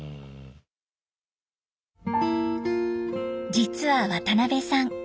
実は渡邊さん